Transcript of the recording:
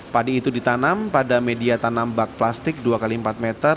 padi itu ditanam pada media tanam bak plastik dua x empat meter